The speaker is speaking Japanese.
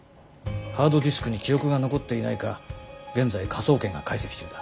ハードディスクに記録が残っていないか現在科捜研が解析中だ。